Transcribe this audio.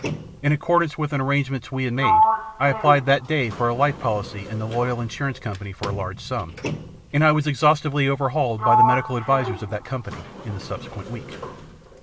In accordance with an arrangement we had made I applied that day for a life policy in the Loyal Insurance Company for a large sum, and I was exhaustively overhauled by the medical advisers of that company in the subsequent week.